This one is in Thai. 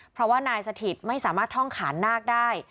เพราะว่านายสถิตไม่สามารถท่องขานนาคได้